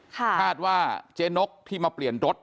คาดว่าเจ๊นกที่มาเปลี่ยนรถ